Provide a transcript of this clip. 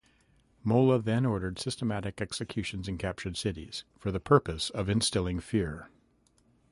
Mola then ordered systematic executions in captured cities for the purpose of instilling fear.